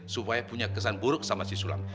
supaya punya kesan buruk sama si sulang